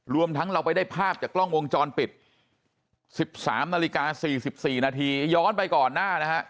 รวมทั้งเราไปได้ภาพจากกล้องวงจรปิด๑๓นาฬิกา๔๔นาทีย้อนไปก่อนหน้านะฮะ